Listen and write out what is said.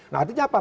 nah artinya apa